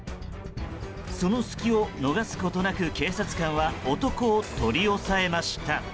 その隙を逃すことなく警察官は男を取り押さえました。